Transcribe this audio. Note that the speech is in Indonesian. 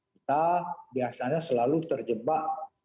kita biasanya selalu terjebak